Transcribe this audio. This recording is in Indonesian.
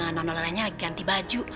nona loranya lagi ganti baju